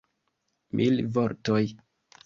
Mil vortoj!